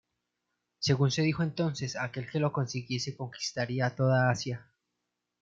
Según se dijo entonces, aquel que lo consiguiese conquistaría toda Asia.